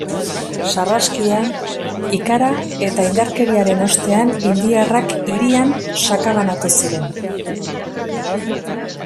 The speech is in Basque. Sarraskia, ikara eta indarkeriaren ostean indiarrak hirian sakabanatu ziren.